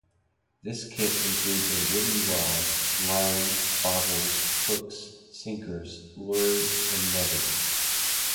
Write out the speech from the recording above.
This kit includes a wooden rod, line, bobbers, hooks, sinkers, lures, and netting.